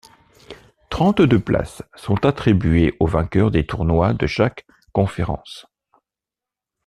Trente-deux places sont attribuées aux vainqueurs des tournois de chaque conférence.